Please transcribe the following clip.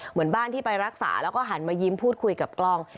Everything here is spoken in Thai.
เหมือนบ้านที่ไปรักษาแล้วก็หันมายิ้มพูดคุยกับกล้อง